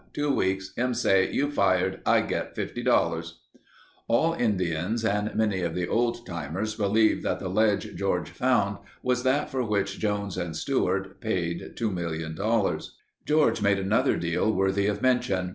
Two weeks. Him say, 'you fired.' I get $50." All Indians and many of the old timers believe that the ledge George found was that for which Jones and Stewart paid $2,000,000. George made another deal worthy of mention.